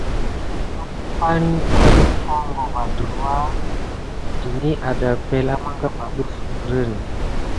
Umpay ne mā foŋko va ɗurwa ada epəŋle amagava def perine.